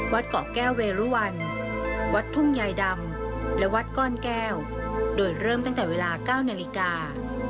วัดเกาะแก้วเวรุวันวัดทุ่งยายดำและวัดก้อนแก้วโดยเริ่มตั้งแต่เวลา๙นาฬิกา